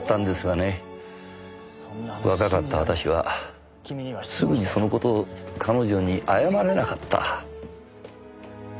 若かった私はすぐにその事を彼女に謝れなかった。